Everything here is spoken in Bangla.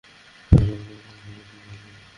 জলপাই সেদ্ধ হলেই নামিয়ে ফেলতে হবে।